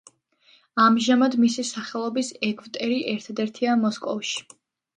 ამჟამად მისი სახელობის ეგვტერი ერთადერთია მოსკოვში.